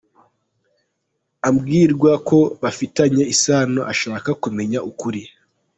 Abwirwa ko bafitanye isano ashaka kumenya ukuri.